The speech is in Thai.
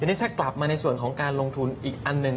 ทีนี้ถ้ากลับมาในส่วนของการลงทุนอีกอันหนึ่ง